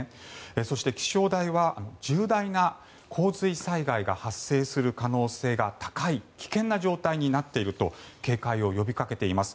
そして、気象台は重大な洪水災害が発生する可能性が高い危険な状態になっていると警戒を呼びかけています。